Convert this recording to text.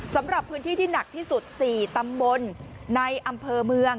สำหรับพื้นที่ที่หนักที่สุด๔ตำบลในอำเภอเมือง